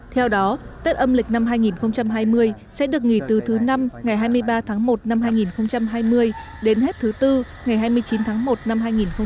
theo đó tết âm lịch năm hai nghìn hai mươi sẽ được nghỉ từ thứ năm ngày hai mươi ba tháng một năm hai nghìn hai mươi đến hết thứ bốn ngày hai mươi chín tháng một năm hai nghìn hai mươi